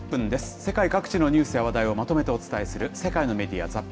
世界各地のニュースや話題をまとめてお伝えする、世界のメディア